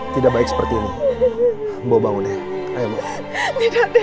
tidak baik seperti ini